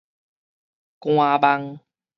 官網